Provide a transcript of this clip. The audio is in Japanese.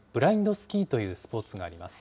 スキーというスポーツがあります。